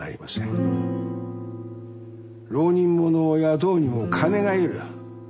浪人者を雇うにも金が要る。